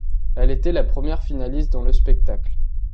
Elle était la première finaliste dans le spectacle.